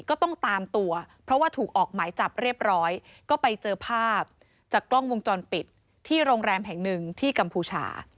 ก็ต้องตามตัวเพราะว่าถูกออกหมายจับเรียบร้อยก็ไปเจอภาพจากกล้องวงจรปิดที่โรงแรมแห่งหนึ่งที่กัมพูชา